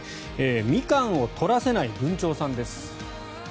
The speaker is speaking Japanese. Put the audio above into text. ミカンを取らせないブンチョウさんです。